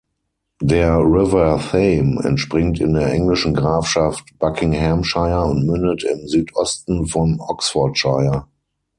Der River Thame entspringt in der englischen Grafschaft Buckinghamshire und mündet im Südosten von Oxfordshire.